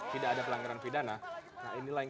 tidak ada pelanggaran pidana nah inilah yang